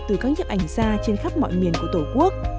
từ các nhếp ảnh ra trên khắp mọi miền của tổ quốc